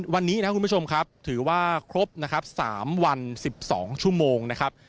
วันนี้นะครับคุณผู้ชมครับถือว่าครบนะครับ๓วัน๑๒ชั่วโมงนะครับ